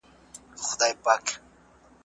شهزادگي طهماسب قزوین کې پاچاهي اعلان کړه.